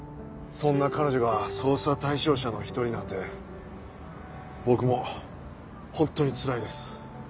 そんな彼女が捜査対象者の一人なんて僕も本当につらいです。